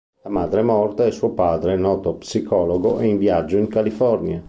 La madre è morta e suo padre, noto psicologo, è in viaggio in California.